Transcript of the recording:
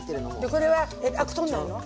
これはアク取らないの？